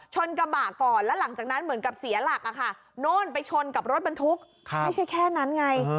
ชนกระบะก่อนแล้วหลังจากนั้นเหมือนกับเสียหลักโน่นไปชนกับรถบรรทุกไม่ใช่แค่นั้นไง